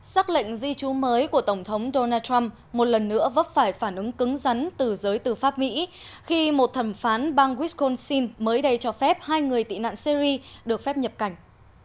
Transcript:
xác lệnh di trú mới của tổng thống donald trump một lần nữa vấp phải phản ứng cứng rắn từ giới tư pháp mỹ khi một thẩm phán bang wisconsin mới đây cho phép hai người tị nạn syri được phép nhập cảnh